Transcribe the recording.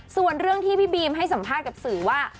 ส่วนเรื่องที่พี่บีมให้สัมภาษณ์กับสื่อว่า